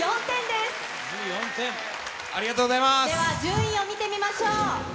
では、順位を見てみましょう。